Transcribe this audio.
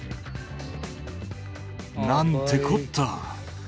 なんてこった。